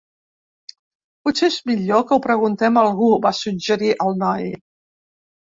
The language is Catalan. "Potser és millor que ho preguntem a algú", va suggerir el noi.